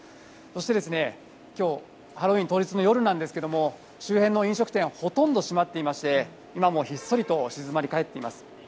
そして、今日ハロウィーン当日の夜なんですけども周辺の飲食店はほとんど閉まっていまして今もひっそりと静まり返っています。